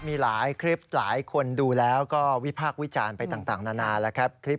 มีหลายคลิปหลายคนดูแล้วก็วิพากษ์วิจารณ์ไปต่างนานาแล้วครับ